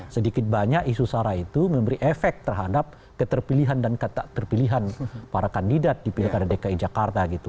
sedikit banyak isu sara itu memberi efek terhadap keterpilihan dan kata terpilihan para kandidat di pilkada dki jakarta gitu